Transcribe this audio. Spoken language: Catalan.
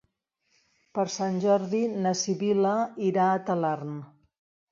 Per Sant Jordi na Sibil·la irà a Talarn.